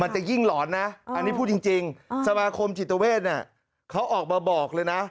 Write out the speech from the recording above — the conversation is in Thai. จะยิ่งหลอนนะอันนี้พูดจริงสมาคมจิตเวทเนี่ยเขาออกมาบอกเลยนะ